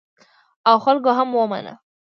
او خلکو هم ومانه.